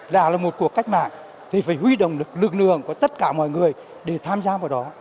đã là một cuộc cách mạng thì phải huy động lực lượng của tất cả mọi người để tham gia vào đó